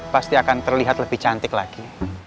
pasti akan terlihat lebih cantik lagi